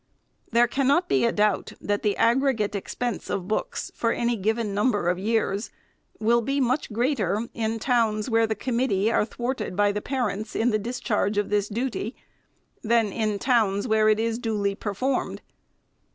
There cannot be a doubt, that the aggregate ex 398 THE SECRETARY'S pense of books, for any given number of years, will be much greater in towns where the committee are thwarted by the parents in the discharge of this duty, than in towns where it is duly performed.